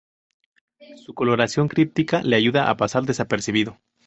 Su coloración críptica le ayuda a pasar desapercibido.